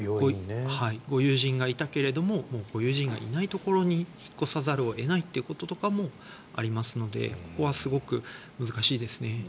ご友人がいたけどもうご友人がいないところに引っ越さざるを得ないこととかもありますのでここはすごく難しいですね。